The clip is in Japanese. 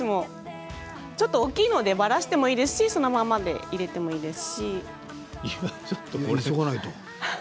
ちょっと大きいのでばらしてもいいですしそのまま入れてもいいです。